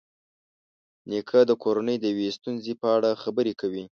نیکه د کورنۍ د یوې ستونزې په اړه خبرې کوي.